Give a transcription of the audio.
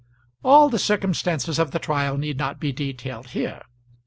All the circumstances of the trial need not be detailed here.